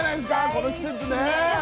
この季節ね。